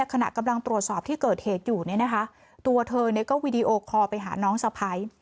ขณะกำลังตรวจสอบที่เกิดเหตุอยู่ตัวเธอก็วิดีโอคอล์ไปหาน้องสะพาย